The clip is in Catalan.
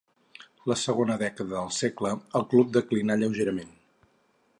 La segona dècada del segle el club declinà lleugerament.